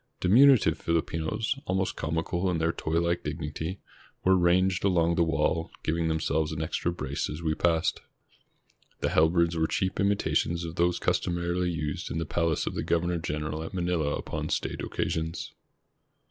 Diminutive Fihpinos, almost comical in their toy like dignity, were ranged along the wall, giving themselves an extra brace as we passed. The halberds were cheap imitations of those customarily used in the palace of the governor general at Manila upon state occasions.